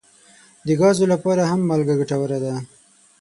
د ګازو لپاره هم مالګه ګټوره ده.